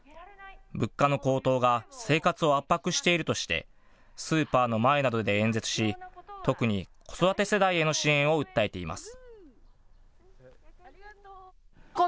物価の高騰が生活を圧迫しているとしてスーパーの前などで演説し特に子育て世代への支援を訴えています。